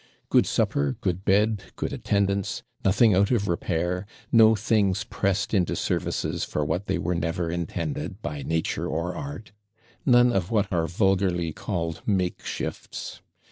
Good supper, good bed, good attendance; nothing out of repair; no things pressed into services for what they were never intended by nature or art; none of what are vulgarly called MAKE SHIFTS.